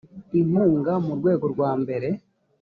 inkunga mu rwego rwambere